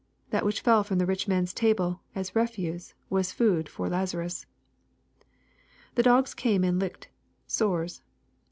That which fell fiom the rich man's table, as refuse, was food for Lazarus. [27i€ dogs came and licked.. .sores.